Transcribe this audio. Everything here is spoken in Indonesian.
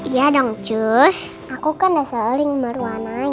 iya dong cus aku kan udah sering mewarnai